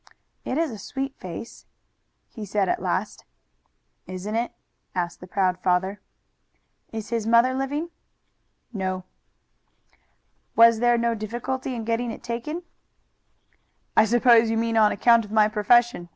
"It is a sweet face," he said at last. "Isn't it?" asked the proud father. "Is his mother living?" "No." "Was there no difficulty in getting it taken?" "I suppose you mean on account of my profession.